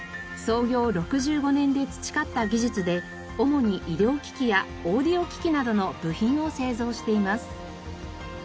創業６５年で培った技術で主に医療機器やオーディオ機器などの部品を製造しています。